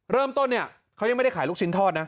เริ่มต้นเนี่ยเขายังไม่ได้ขายลูกชิ้นทอดนะ